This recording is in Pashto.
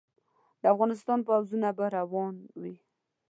د افغانستان پوځونه به روان وي.